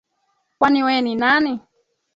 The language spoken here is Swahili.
Kwani we ni nani?